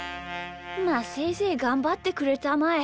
まあせいぜいがんばってくれたまえ。